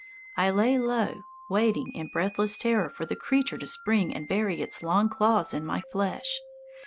I lay low, waiting in breathless terror for the creature to spring and bury its long claws in my flesh.